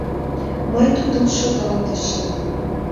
Мый тудым шогалтышым.